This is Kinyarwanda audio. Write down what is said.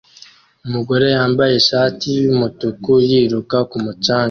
Umugore yambaye ishati yumutuku yiruka ku mucanga